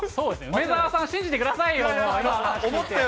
梅澤さん、信じてくださいよ。